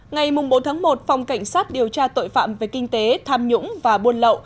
ngày bốn tháng một phòng cảnh sát điều tra tội phạm về kinh tế tham nhũng và buôn lậu